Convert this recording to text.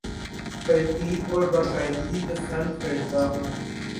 ترتیب اور باقاعدگی پسند کرتا ہوں